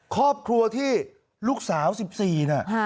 ครอบครัวที่ลูกสาว๑๔น่ะ